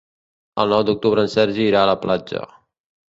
El nou d'octubre en Sergi irà a la platja.